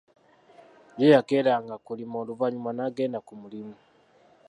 Ye yakeeranga kulima oluvanyuma n'agenda kumulimu.